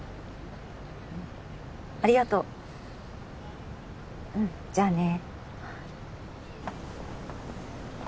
うんありがとううんじゃあね